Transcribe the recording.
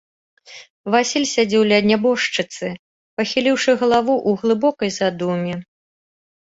Васіль сядзеў ля нябожчыцы, пахіліўшы галаву ў глыбокай задуме.